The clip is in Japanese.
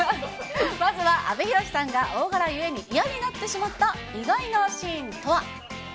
まずは阿部寛さんが、おおはらゆいに嫌になってしまった意外なシーンとは。